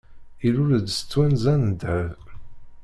Ilul-d s twenza n ddheb.